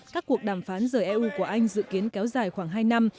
các cuộc đàm phán rời eu của anh dự kiến kéo dài khoảng hai năm